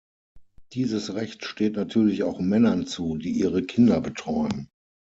Dieses Recht steht natürlich auch Männern zu, die ihre Kinder betreuen.